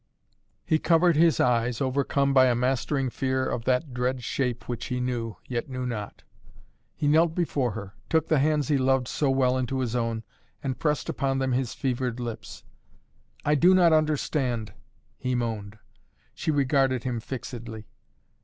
He covered his eyes, overcome by a mastering fear of that dread shape which he knew, yet knew not. He knelt before her, took the hands he loved so well into his own and pressed upon them his fevered lips. "I do not understand " he moaned. She regarded him fixedly.